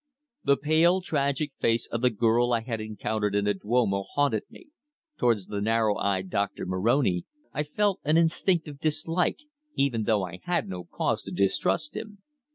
The pale, tragic face of the girl I had encountered in the Duomo haunted me. Towards the narrow eyed Doctor Moroni I felt an instinctive dislike, even though I had no cause to distrust him.